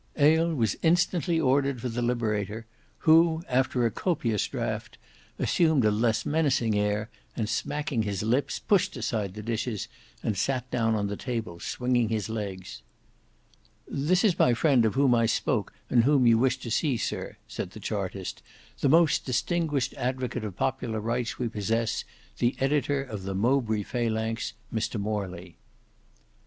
Ale was instantly ordered for the Liberator, who after a copious draught assumed a less menacing air, and smacking his lips, pushed aside the dishes, and sate down on the table swinging his legs. "This is my friend of whom I spoke and whom you wished to see, Sir," said the Chartist, "the most distinguished advocate of popular rights we possess, the editor of the Mowbray Phalanx, Mr Morley."